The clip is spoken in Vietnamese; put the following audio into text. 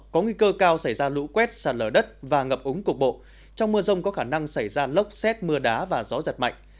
có nguy cơ cao xảy ra lũ quét sạt lở đất và ngập úng cục bộ trong mưa rông có khả năng xảy ra lốc xét mưa đá và gió giật mạnh